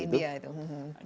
ya dari india itu